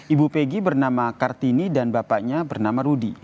ibu peggy bernama kartini dan bapaknya bernama rudy